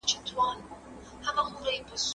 ستا په قسمت کښلې ترانه یمه شرنګېږمه